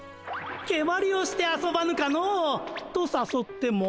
けまりをして遊ばぬかのう。とさそっても。